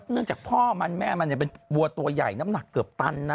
จากพ่อมันแม่มันเป็นวัวตัวใหญ่น้ำหนักเกือบตันนะ